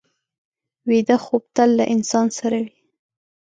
ویده خوب تل له انسان سره وي